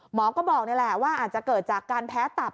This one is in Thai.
หมอก็บอกนี่แหละว่าอาจจะเกิดจากการแพ้ตับ